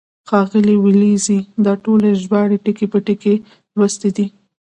ښاغلي ولیزي دا ټولې ژباړې ټکی په ټکی لوستې دي.